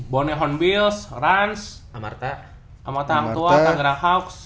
bonehon bills ranz amarta amarta hangtua kangra hawks